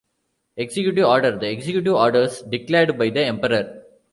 Executive order: The executive orders declared by the emperor.